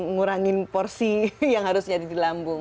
ngurangin porsi yang harus jadi di lambung